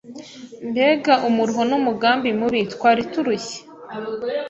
Mbega umuruho n’umugambi mubi. Twari turushye